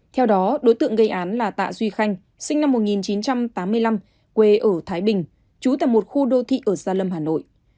theo đó đối tượng gây án là tạ duy khanh sinh năm một nghìn chín trăm tám mươi năm quê ở thái bình trú tại một khu đô thị ở gia lâm hà nội